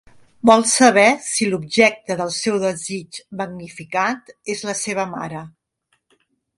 Vol saber si l'objecte del seu desig magnificat és la seva mare.